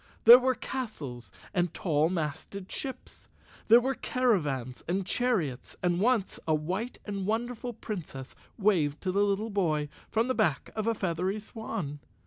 There were castles and tall masted ships, there were caravans and chariots, and once a white and wonderful 145 The Cowardly Lion of Qz _ Princess waved to the little boy from the back of a feathery swan.